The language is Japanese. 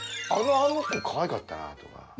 あの子かわいかったなとか。